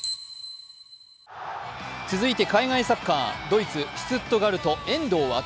続いて海外サッカードイツ・シュツットガルト遠藤航。